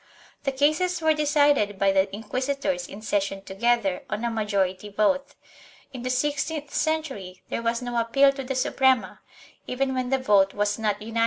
The cases were decided by the inquisitors in session together, on a majority vote. In the sixteenth century there was no appeal to the Suprema, even when the vote was 1 Archive de Simancas, Visitas de Barcelona, Leg.